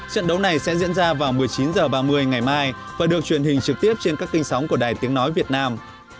trận đấu này sẽ diễn ra vào một mươi chín h ba mươi ngày mai và được truyền hình trực tiếp trên các kênh sóng của đài tiếng nói việt nam